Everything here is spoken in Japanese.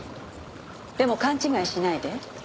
でも勘違いしないで。